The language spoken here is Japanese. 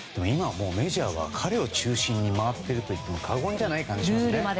今、メジャーは彼を中心に回っているといっても過言じゃない感じがしますね。